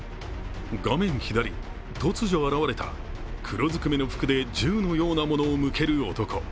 画面左、突如現れた、黒ずくめの服で銃のようなものを向ける男